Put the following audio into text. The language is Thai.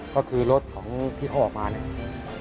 ก็คือรถของที่เขาออกมาเนี่ย